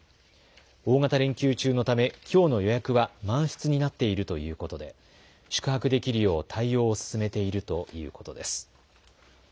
大型連休中のためきょうの予約は満室になっているということで宿泊できるよう対応を進めているということです。